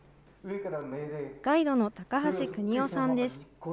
ガイドの高橋邦夫さんです。